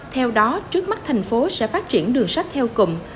theo đó trước mắt thành phố sẽ phát triển đường sách theo cụm